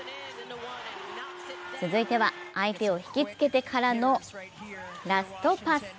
続いては相手を引きつけてからのラストパス。